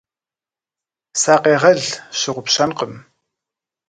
Сакъегъэл, сщыгъупщэнкъым.